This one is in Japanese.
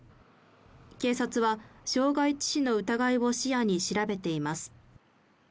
警察は傷害致死の疑いを視野に調べています。